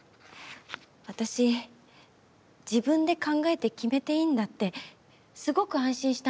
私自分で考えて決めていいんだってすごく安心したんです。